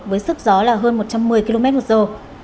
với sức gió là hơn một trăm một mươi km một giờ